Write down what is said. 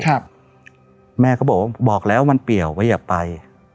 ครับแม่ก็บอกว่าบอกแล้วมันเปลี่ยวก็อย่าไป